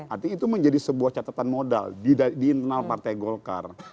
artinya itu menjadi sebuah catatan modal di internal partai golkar